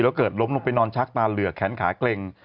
แล้วเกิดล้มลงไปนอนชักตาเหลือกแขนขาเกร็ง